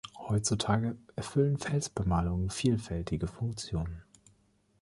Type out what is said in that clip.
Heutzutage erfüllen Felsbemalungen vielfältige Funktionen.